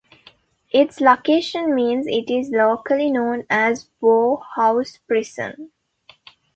Its location means it is locally known as "Bowhouse Prison".